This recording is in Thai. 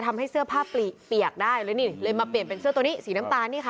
ทำให้เสื้อผ้าเปียกได้เลยนี่เลยมาเปลี่ยนเป็นเสื้อตัวนี้สีน้ำตาลนี่ค่ะ